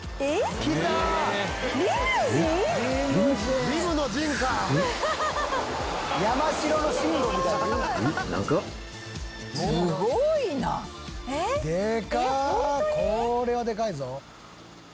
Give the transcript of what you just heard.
これはでかいぞ。